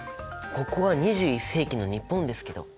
ここは２１世紀の日本ですけど？